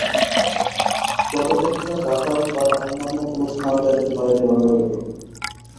তদপেক্ষা ঢাকা বা অন্য কোন স্থানে যাইতে পারিলেই ভাল হইত।